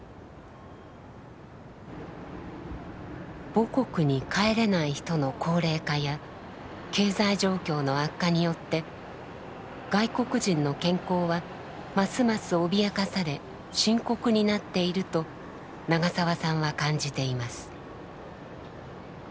母国に帰れない人の高齢化や経済状況の悪化によって外国人の健康はますます脅かされ深刻になっていると長澤さんは感じています。